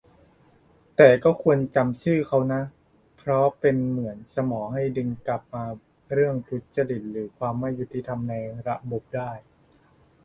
แต่ก็ควรจำชื่อเขานะ เพราะเป็นเหมือนสมอให้ดึงกลับมาเรื่องทุจริตหรือความไม่ยุติธรรมในระบบได้